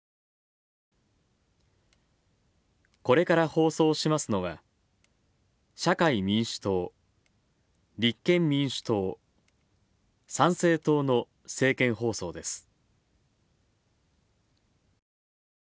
これから放送しますのは、社会民主党立憲民主党参政党の政見放送です。